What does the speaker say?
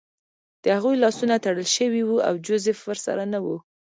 د هغوی لاسونه تړل شوي وو او جوزف ورسره نه و